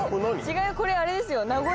違うこれあれですよ。